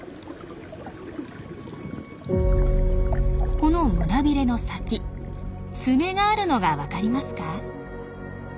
この胸びれの先爪があるのが分かりますか？